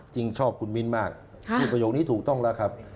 จริงชอบคุณมิ้นมากพูดประโยคนี้ถูกต้องแล้วครับ